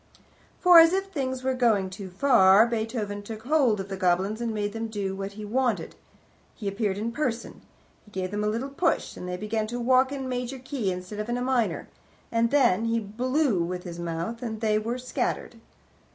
For, as if things were going too far, Beethoven took hold of the goblins and made them do what he wanted. He appeared in person. He gave them a little push, and they began to walk in major key instead of in a minor, and then he blew with his mouth and they were scattered!